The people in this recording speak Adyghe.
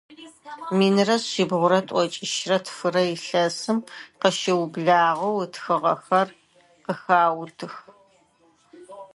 Минрэ шъибгъурэ тӏокӏищрэ тфырэ илъэсым къыщыублагъэу ытхыгъэхэр къыхаутых.